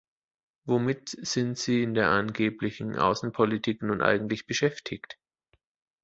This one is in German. Womit sind Sie in der angeblichen Außenpolitik nun eigentlich beschäftigt?